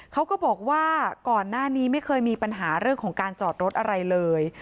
เขาก็บอกว่าก่อนหน้านี้ไม่เคยมีปัญหาเรื่องของการจอดรถอะไรเลย